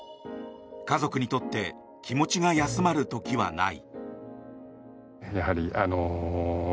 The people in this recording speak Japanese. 家族にとって気持ちが休まる時はない。